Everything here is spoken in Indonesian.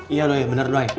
iya doi bener doi